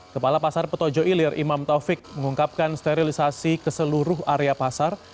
kepala pasar petojo ilir imam taufik mengungkapkan sterilisasi ke seluruh area pasar